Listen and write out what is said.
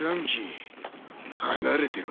離れてろ。